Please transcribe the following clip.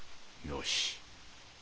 よし。